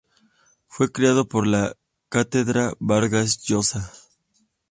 Fue creado por la Cátedra Vargas Llosa.